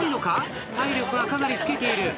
体力はかなり尽きている。